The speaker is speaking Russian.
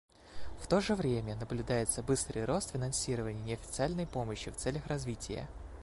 В то же время наблюдается быстрый рост финансирования неофициальной помощи в целях развития.